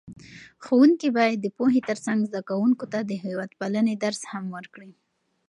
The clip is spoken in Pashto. ښوونکي باید د پوهې ترڅنګ زده کوونکو ته د هېوادپالنې درس هم ورکړي.